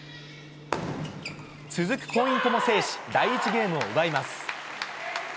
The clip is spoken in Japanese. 続くポイントも制し、第１ゲームを奪います。